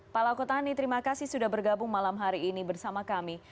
pak lakotani terima kasih sudah bergabung malam hari ini bersama kami